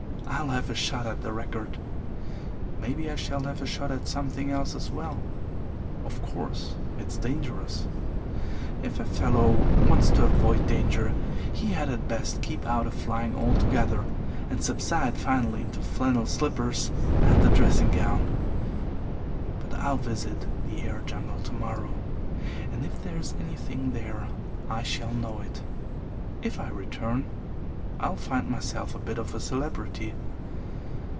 I'll have a shot at the record. Maybe I shall have a shot at something else as well. Of course, it's dangerous. If a fellow wants to avoid danger he had best keep out of flying altogether and subside finally into flannel slippers and a dressing gown. But I'll visit the air jungle tomorrow and if there's anything there I shall know it. If I return, I'll find myself a bit of a celebrity.